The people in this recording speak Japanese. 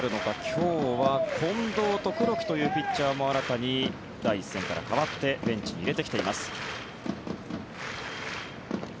今日は近藤と黒木というピッチャーも新たに第１戦から変わってベンチに入れてきています。